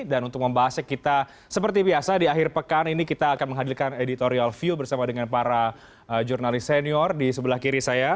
dan untuk membahasnya kita seperti biasa di akhir pekan ini kita akan menghadirkan editorial view bersama dengan para jurnalis senior di sebelah kiri saya